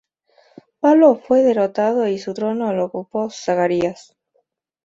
Pablo fue derrotado y su trono lo ocupó Zacarias.